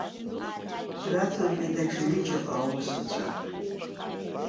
Драцәажәеит даҽа ҩыџьаҟа аусуцәа.